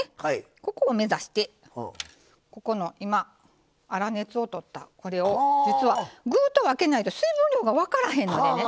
ここを目指して今粗熱をとったこれを実は具と分けないと水分量が分からへんのでね。